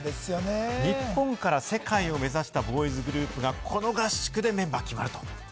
日本から世界を目指したボーイズグループが、この合宿でメンバーが決まると。